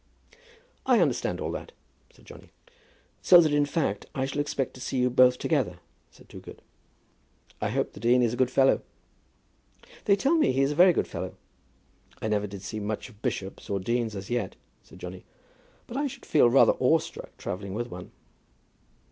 "I understand all that," said Johnny. "So that, in fact, I shall expect to see you both together," said Toogood. "I hope the dean is a good fellow." "They tell me he is a very good fellow." "I never did see much of bishops or deans as yet," said Johnny, "and I should feel rather awe struck travelling with one."